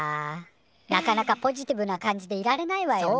なかなかポジティブな感じでいられないわよね。